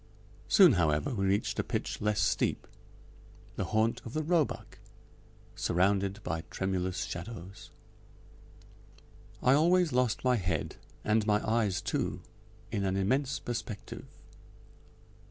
Soon, however, we reached a pitch less steep: the haunt of the roebuck, surrounded by tremulous shadows. I always lost my head, and my eyes too, in an immense perspective.